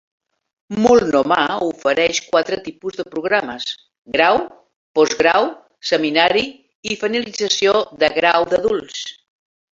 Multnomah ofereix quatre tipus de programes: grau, postgrau, seminari i finalització de grau d'adults.